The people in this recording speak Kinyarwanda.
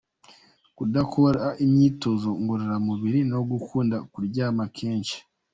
Kudakora imyitozo ngorora mubiri no gukunda kuryama kenshi.